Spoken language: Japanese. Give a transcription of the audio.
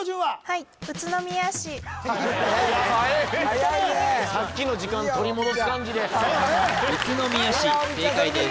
はい・はえ・さっきの時間取り戻す感じで宇都宮市正解です